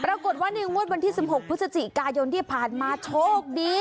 ปรากฏว่าในงวดวันที่๑๖พฤศจิกายนที่ผ่านมาโชคดี